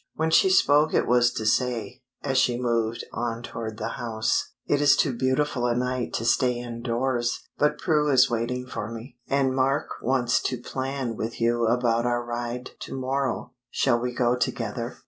When she spoke it was to say, as she moved on toward the house "It is too beautiful a night to stay in doors, but Prue is waiting for me, and Mark wants to plan with you about our ride to morrow. Shall we go together?"